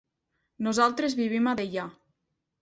Nosaltres vivim a Deià.